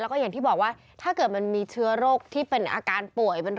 แล้วก็อย่างที่บอกว่าถ้าเกิดมันมีเชื้อโรคที่เป็นอาการป่วย